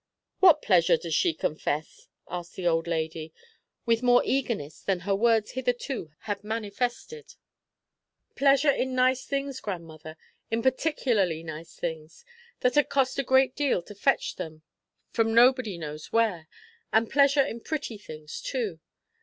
"What pleasure does she confess?" asked the old lady, with more eagerness than her words hitherto had manifested. "Pleasure in nice things, grandmother; in particularly nice things; that had cost a great deal to fetch them from nobody knows where; and pleasure in pretty things too.